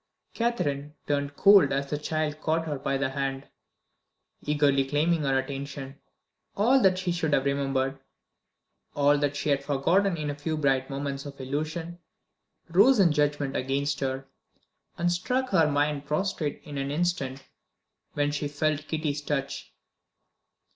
Catherine turned cold as the child caught her by the hand, eagerly claiming her attention. All that she should have remembered, all that she had forgotten in a few bright moments of illusion, rose in judgment against her, and struck her mind prostrate in an instant, when she felt Kitty's touch.